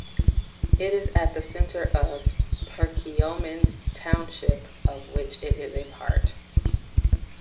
It is at the center of Perkiomen Township, of which it is a part.